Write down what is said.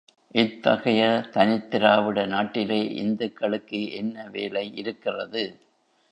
இத்தகைய தனித் திராவிட நாட்டிலே இந்துக்களுக்கு என்ன வேலை இருக்கிறது?